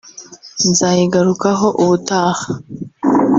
nzayigarukaho ubutaha